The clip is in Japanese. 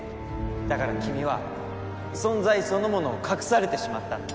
だから君は存在そのものを隠されてしまったんだ。